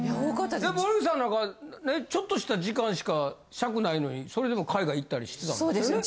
森口さんなんかちょっとした時間しか尺ないのにそれでも海外行ったりしてたんですよね。